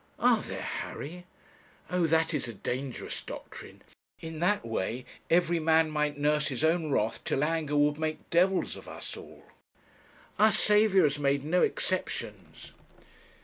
'Are there, Harry? Oh! that is a dangerous doctrine. In that way every man might nurse his own wrath till anger would make devils of us all. Our Saviour has made no exceptions.'